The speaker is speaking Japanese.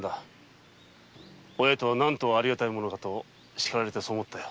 親とは何とありがたいものかとしかられてそう思ったよ。